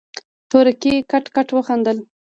تورکي کټ کټ وخندل.